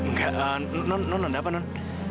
nggak non non ada apa non